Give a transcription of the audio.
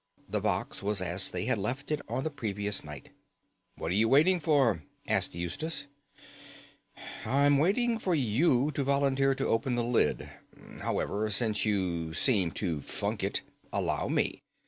The box was as they had left it on the previous night. "What are you waiting for?" asked Eustace. "I am waiting for you to volunteer to open the lid. However, since you seem to funk it, allow me.